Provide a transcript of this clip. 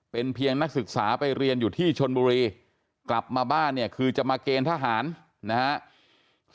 เป็นเพียงนักศึกษาไปเรียนอยู่ที่ชนบุรีกลับมาบ้านเนี่ยคือจะมาเกณฑ์ทหารนะครับ